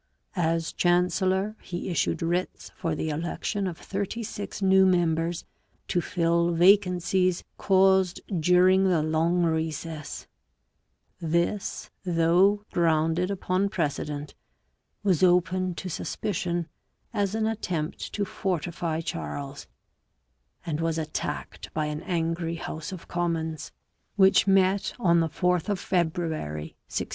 As chancellor he issued writs for the election of thirty six new members to fill vacancies caused during the long recess; this, though grounded upon precedent, was open to suspicion as an attempt to fortify Charles, and was attacked by an angry House of Commons 762 SHAFTESBURY, ist EARL OF which met on the 4th of February 1673.